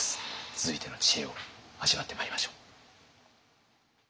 続いての知恵を味わってまいりましょう。